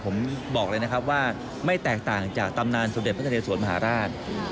ผมบอกเลยนะครับว่าไม่แตกต่างจากตำนานสมเด็จพระนเรสวนมหาราช